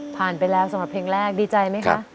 ไปแล้วสำหรับเพลงแรกดีใจไหมคะ